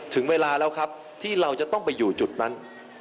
ถึงเวลาแล้วครับที่เราจะต้องไปอยู่จุดนั้น